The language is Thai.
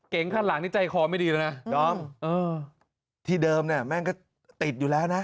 ข้างหลังนี่ใจคอไม่ดีแล้วนะดอมที่เดิมเนี่ยแม่งก็ติดอยู่แล้วนะ